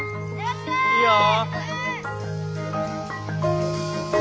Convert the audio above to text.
いいよ。